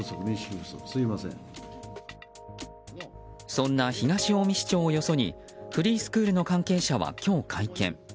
そんな東近江市長をよそにフリースクールの関係者は今日、会見。